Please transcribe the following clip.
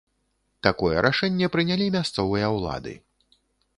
Такое рашэнне прынялі мясцовыя ўлады.